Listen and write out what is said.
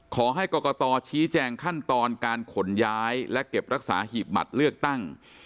ขอให้กรกตชี้แจงขั้นตอนการขนย้ายและเก็บรักษาหีบบัตรเลือกตั้ง